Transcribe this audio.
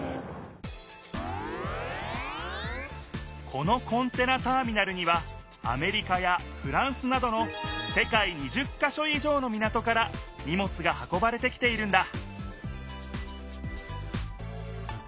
このコンテナターミナルにはアメリカやフランスなどの世界２０か所以上の港からにもつが運ばれてきているんだ